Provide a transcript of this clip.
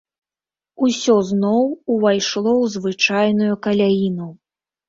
Усё зноў увайшло ў звычайную каляіну.